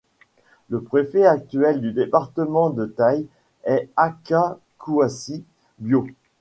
Le préfet actuel du département de Taï est Aka Kouassi Bio.